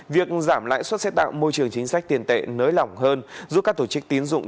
việc giảm lãi suất sẽ tạo môi trường chính sách tiền tệ nới lỏng hơn giúp các tổ chức tín dụng